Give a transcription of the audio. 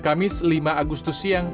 pada jam lima agustus siang